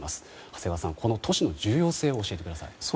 長谷川さん、この都市の重要性を教えてください。